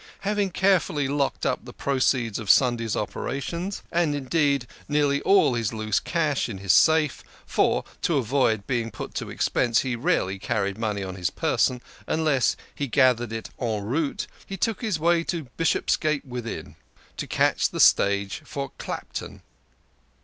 Having carefully THE KING OF SCHNORRERS. 141 locked up the proceeds of Sunday's operations, and, indeed, nearly all his loose cash, in his safe, for, to avoid being put to expense, he rarely carried money on his person, unless he gathered it en route, he took his way to Bishopsgate Within, to catch the stage for Clapton.